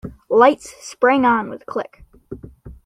Lights sprang on with a click.